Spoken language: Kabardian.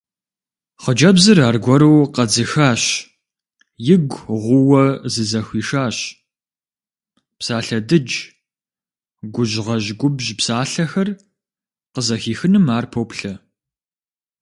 Хъыджэбзыр аргуэру къэдзыхащ, игу гъууэ зызэхуишащ: псалъэ дыдж, гужьгъэжь губжь псалъэхэр къызэхихыным ар поплъэ.